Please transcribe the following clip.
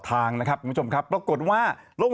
ทางแฟนสาวก็พาคุณแม่ลงจากสอพอ